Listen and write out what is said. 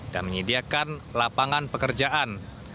dan menyediakan lapangan pekerjaan